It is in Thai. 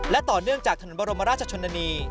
และต่อเนื่องจากถนนบรมราชชนนานี